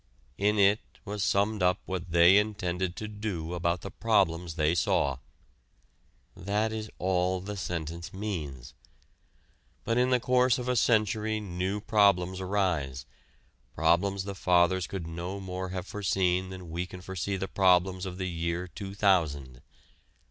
In it was summed up what they intended to do about the problems they saw. That is all the sentence means. But in the course of a century new problems arise problems the Fathers could no more have foreseen than we can foresee the problems of the year two thousand.